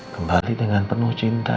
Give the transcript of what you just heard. kembali dengan penuh cinta